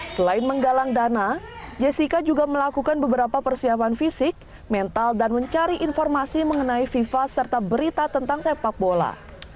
selain menggalang dana jessica juga melakukan beberapa persiapan fisik mental dan mencari informasi mengenai fifa serta berita tentang sepak bola